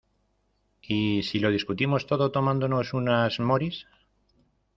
¿Y si lo discutimos todo tomándonos unas Moritz?